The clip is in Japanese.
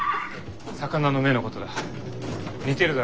魚の目のことだ。